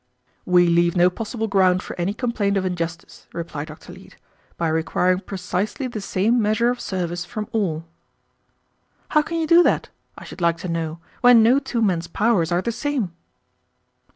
"We leave no possible ground for any complaint of injustice," replied Dr. Leete, "by requiring precisely the same measure of service from all." "How can you do that, I should like to know, when no two men's powers are the same?"